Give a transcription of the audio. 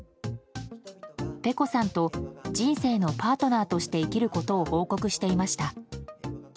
ｐｅｃｏさんと人生のパートナーとして生きることを報告していました。